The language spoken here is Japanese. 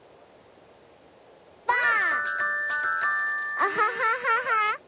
アハハハハ。